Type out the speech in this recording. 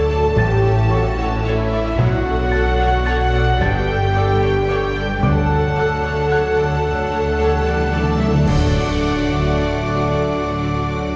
โปรดติดตามตอนต่อไป